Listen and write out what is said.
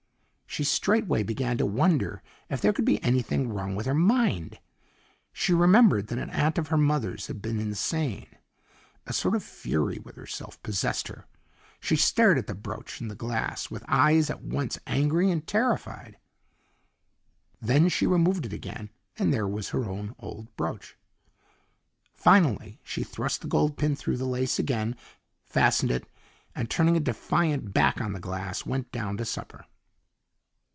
She straightway began to wonder if there could be anything wrong with her mind. She remembered that an aunt of her mother's had been insane. A sort of fury with herself possessed her. She stared at the brooch in the glass with eyes at once angry and terrified. Then she removed it again and there was her own old brooch. Finally she thrust the gold pin through the lace again, fastened it and turning a defiant back on the glass, went down to supper.